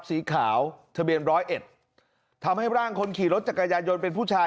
สีขาวทะเบียนร้อยเอ็ดทำให้ร่างคนขี่รถจักรยานยนต์เป็นผู้ชาย